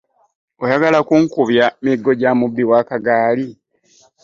Oyagala kunkubya miggo gya mubbi w'akagaali?